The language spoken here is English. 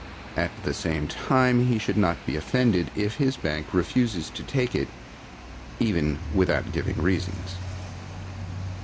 At the same time he should not be offended if his bank refuses to take it even without giving reasons.